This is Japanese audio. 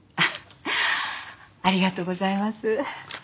ありがとうございます。